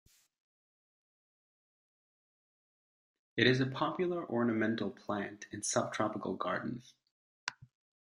It is a popular ornamental plant in subtropical gardens.